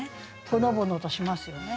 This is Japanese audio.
ほのぼのとしますよね。